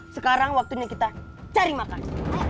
sekarang waktunya kita cari makan